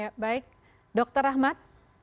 ya baik dr rahmat